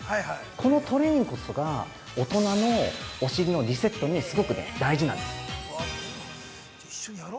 この、トレーニングこそが大人のお尻のリセットにすごく大事なんです。